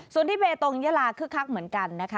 ส่วนที่เบตงยาลาคึกคักเหมือนกันนะคะ